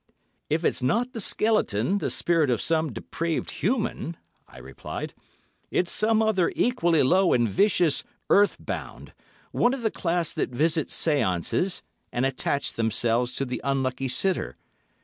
"If it's not the skeleton, the spirit of some depraved human," I replied, "it's some other equally low and vicious earth bound, one of the class that visit séances and attach themselves to the unlucky sitter.